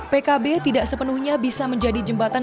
pkb tidak sepenuhnya bisa menjadi jembatan